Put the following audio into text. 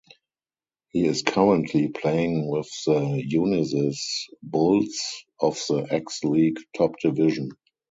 He is currently playing with the Unisys Bulls of the X-League top division.